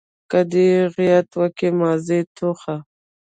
که دي دېغت وکئ ماضي ټوخه.